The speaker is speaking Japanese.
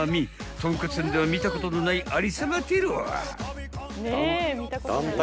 ［とんかつ店では見たことのないありさまてろ］